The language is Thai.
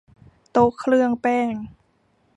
โต๊ะเครื่องแป้ง